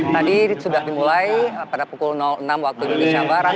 tadi sudah dimulai pada pukul enam waktu indonesia barat